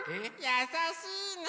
やさしいね！